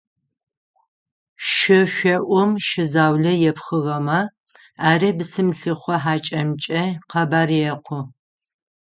Шышӏоӏум шы заулэ епхыгъэмэ, ари бысым лъыхъо хьакӏэмкӏэ къэбар екъу.